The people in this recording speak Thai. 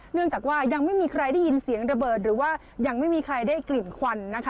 เนื่องจากว่ายังไม่มีใครได้ยินเสียงระเบิดหรือว่ายังไม่มีใครได้กลิ่นควันนะคะ